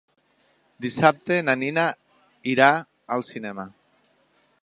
Dissabte na Nina irà al cinema.